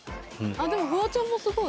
でもフワちゃんもすごい。